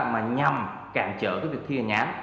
mà nhằm cản trở cái việc thi hành án